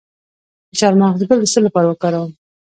د چارمغز ګل د څه لپاره وکاروم؟